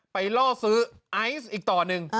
ล่อซื้อไอซ์อีกต่อหนึ่ง